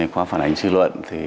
qua phản ánh sư luận